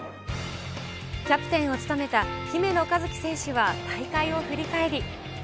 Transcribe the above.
キャプテンを務めた姫野和樹選手は大会を振り返り。